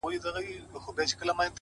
د زړې ونې سیوری تل یو ډول ارامي ورکوي!